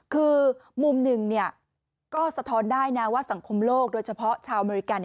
คือมุมหนึ่งก็สะท้อนได้นะว่าสังคมโลกโดยเฉพาะชาวอเมริกัน